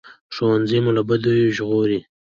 ښوونځی مو له بدیو ژغوري